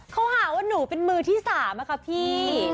เขาหาว่าหนูเป็นมือที่๓ค่ะพี่